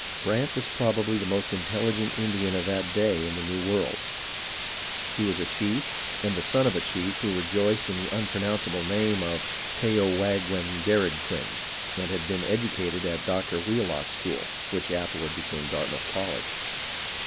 Brant was probably the most intelligent Indian of that day in the New World. He was a chief, and the son of a chief who rejoiced in the unpronounceable name of Tehow aghwengaraghkwin, and had been educated at Dr. Wheel ock's school, which afterward became Dartmouth College.